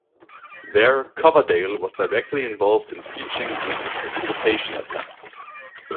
There, Coverdale was directly involved in preaching and pacification attempts.